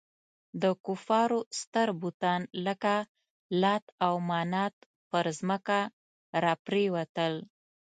د کفارو ستر بتان لکه لات او منات پر ځمکه را پرېوتل.